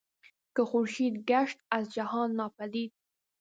که خورشید گشت از جهان ناپدید